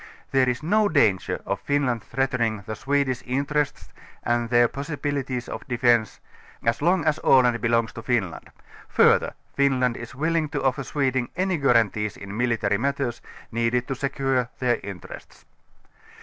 There is no danger of Finland threatening the Swedish interests and their j>ossiljilities of defence, as long as Aland belongs to Finland; further, Finland is willing to offer Sweden any guarantees in military matters, needed to secure their in terests.